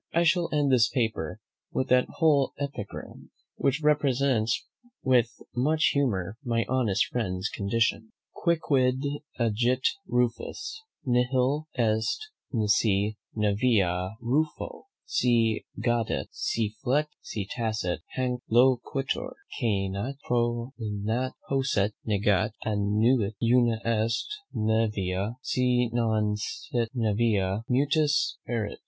I shall end this paper with that whole epigram, which represents with much humour my honest friend's condition. QUICQUID AGIT RUFUS, NIHIL EST, NISI NAEVIA RUFO, SI GAUDET, SI FLET, SI TACET, HANC LOQUITUR: CAENAT, PROPINAT, POSCET, NEGAT, ANNUIT, UNA EST NAEVIA; SI NON SIT NAEVIA, MUTUS ERIT.